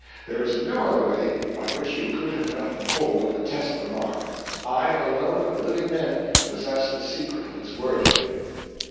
There is no other way by which you could have gotten hold of the test remark; I alone, of living men, possessed the secret of its wording."